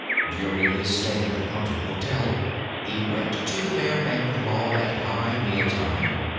During his stay at the Fountain Hotel, he went to the Bear Banquet Hall at high meal tide.